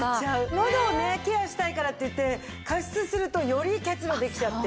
のどをねケアしたいからっていって加湿するとより結露できちゃって。